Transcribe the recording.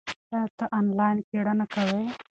ایا ته آنلاین څېړنه کوې؟